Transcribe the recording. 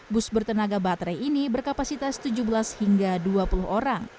bus bertenaga baterai ini berkapasitas tujuh belas hingga dua puluh orang